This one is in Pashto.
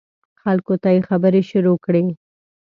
خلکو ته یې خبرې شروع کړې.